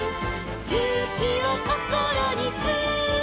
「ゆうきをこころにつめて」